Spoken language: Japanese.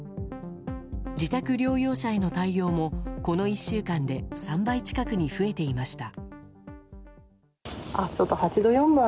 自宅療養者への対応もこの１週間で３倍近くに増えていました。